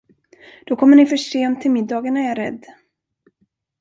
Då kommer ni för sent till middagen, är jag rädd.